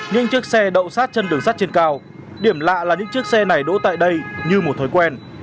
nhưng chiếc xe đậu sát chân đường sắt trên cao điểm lạ là những chiếc xe này đỗ tại đây như một thói quen